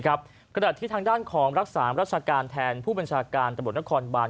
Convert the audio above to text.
ขณะที่ทางด้านของรักษารัชการแทนผู้บัญชาการตำรวจนครบาน